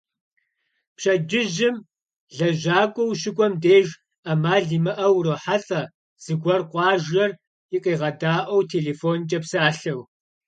Пщэдджыжьым лэжьакӏуэ ущыкӏуэм деж, ӏэмал имыӏэу урохьэлӏэ зыгуэр къуажэр къигъэдаӏуэу телефонкӏэ псалъэу.